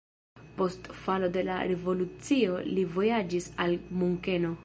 Post falo de la revolucio li vojaĝis al Munkeno.